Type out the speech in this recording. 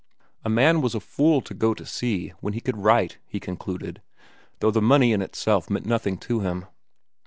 A man was a fool to go to sea when he could write, he concluded, though the money in itself meant nothing to him.